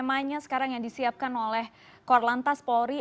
kemanya sekarang yang disiapkan oleh kor lantas polri